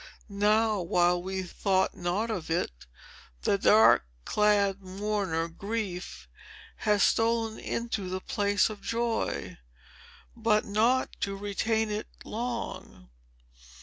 Now, while we thought not of it, the dark clad mourner, Grief, has stolen into the place of Joy, but not to retain it long.